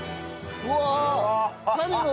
うわ！